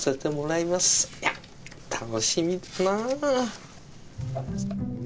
いや楽しみだな。